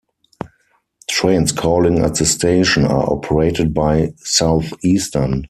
Trains calling at the station are operated by Southeastern.